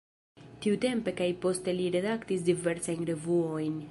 Tiutempe kaj poste li redaktis diversajn revuojn.